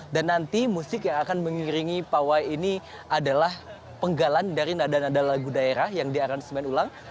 dan nanti musik yang akan mengiringi pawai ini adalah penggalan dari nada nada lagu daerah yang di arrangement ulang